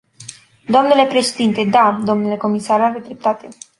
Domnule președinte, da, dl comisar are dreptate.